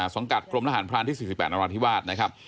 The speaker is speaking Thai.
สังกัดกรมทหารพรานที่๔๘นราธิวาสนะครับ